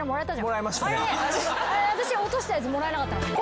私落としたやつもらえなかったの。